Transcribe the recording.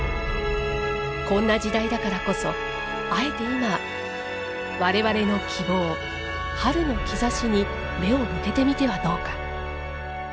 こんな時代だからこそ、あえて今我々の希望、「春の兆し」に目を向けてみてはどうか。